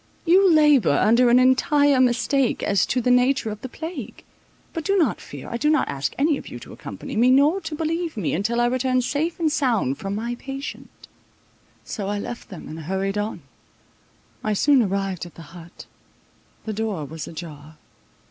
You labour under an entire mistake as to the nature of the plague; but do not fear, I do not ask any of you to accompany me, nor to believe me, until I return safe and sound from my patient." So I left them, and hurried on. I soon arrived at the hut: the door was ajar.